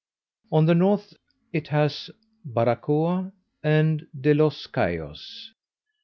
On the north it has Barracoa, and De los Cayos.